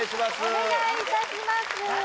お願いいたします